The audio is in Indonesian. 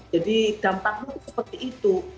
jadi dampaknya seperti itu